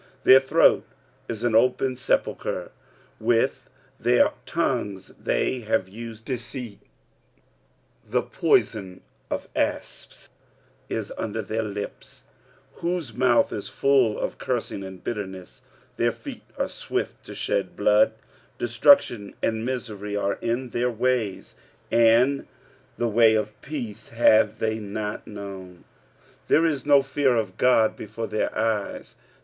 45:003:013 Their throat is an open sepulchre; with their tongues they have used deceit; the poison of asps is under their lips: 45:003:014 Whose mouth is full of cursing and bitterness: 45:003:015 Their feet are swift to shed blood: 45:003:016 Destruction and misery are in their ways: 45:003:017 And the way of peace have they not known: 45:003:018 There is no fear of God before their eyes.